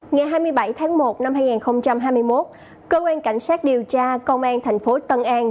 ngày hai mươi bảy tháng một năm hai nghìn hai mươi một cơ quan cảnh sát điều tra công an thành phố tân an